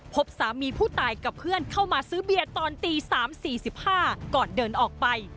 พบสามีผู้ตายกับเพื่อนเข้ามาซื้อเบียร์ตอนตี๓๔๕ก่อนเดินออกไป